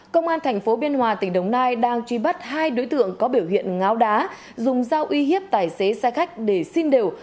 công an thành phố biên hòa tỉnh đồng nai đang truy bắt hai đối tượng có biểu hiện ngáo đá dùng dao uy hiếp tài xế xe khách để xin đều